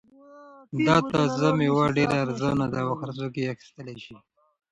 دا تازه مېوه ډېره ارزان ده او هر څوک یې اخیستلای شي.